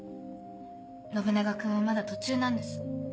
信長君はまだ途中なんです。